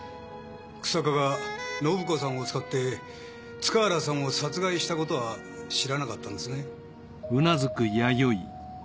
日下が信子さんを使って塚原さんを殺害したことは知らなかったんですね？